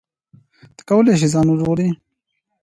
ته کولی شې ځان وژغورې.